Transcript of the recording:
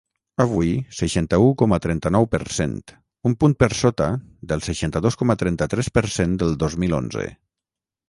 Avui, seixanta-u coma trenta-nou per cent, un punt per sota del seixanta-dos coma trenta-tres per cent del dos mil onze.